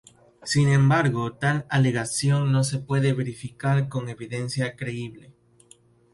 Sin embargo, tal alegación no se puede verificar con evidencia creíble.